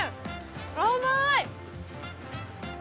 甘い。